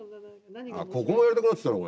ここもやりたくなってきたな